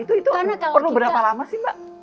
itu karena perlu berapa lama sih mbak